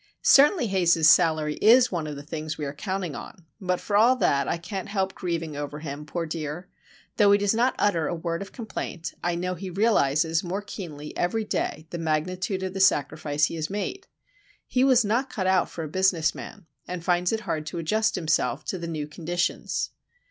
Certainly, Haze's salary is one of the things we are counting on,—but, for all that, I can't help grieving over him, poor dear. Though he does not utter a word of complaint, I know he realises more keenly every day the magnitude of the sacrifice he has made. He was not cut out for a business man and finds it hard to adjust himself to the new conditions.